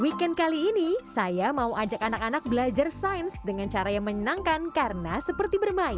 weekend kali ini saya mau ajak anak anak belajar sains dengan cara yang menyenangkan karena seperti bermain